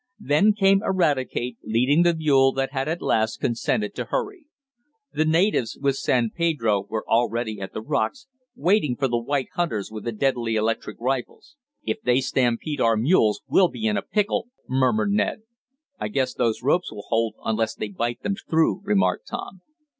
Then came Eradicate, leading the mule that had at last consented to hurry. The natives, with San Pedro, were already at the rocks, waiting for the white hunters with the deadly electric rifles. "If they stampede our mules we'll be in a pickle!" murmured Ned. "I guess those ropes will hold unless they bite them through," remarked Tom.